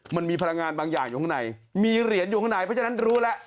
มันมีพลังงานบางอย่างอยู่ข้างในมีเหรียญอยู่ข้างในเพราะฉะนั้นรู้แล้ว